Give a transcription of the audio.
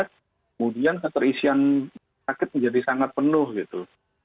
kemudian keterisian sakit menjadi sangat penuh gitu